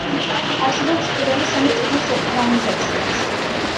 არსებობს პირველი სამი წიგნის ეკრანიზაციაც.